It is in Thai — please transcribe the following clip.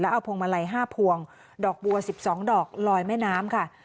เอาพวงมาลัย๕พวงดอกบัว๑๒ดอกลอยแม่น้ำค่ะ